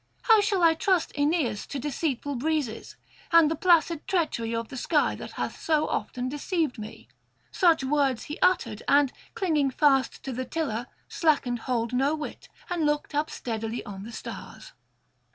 How shall I trust Aeneas to deceitful breezes, and the placid treachery of sky that hath so often deceived me?' Such words he uttered, and, clinging fast to the tiller, slackened hold no whit, and looked up steadily on the stars.